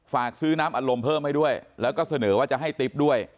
ฝากซื้อน้ำอารมณ์เพิ่มให้ด้วยแล้วก็เสนอว่าจะให้ติ๊บด้วย